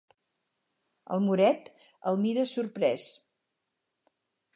El moret el mira sorprès.